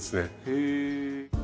へえ。